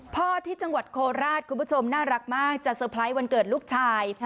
พ่อที่จังหวัดโคราชคุณผู้ชมน่ารักมากจะเตอร์ไพรส์วันเกิดลูกชาย